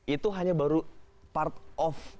itu hanya baru part of